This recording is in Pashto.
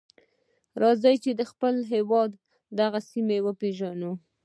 راځئ چې د خپل هېواد دغه سیمه وپیژنو.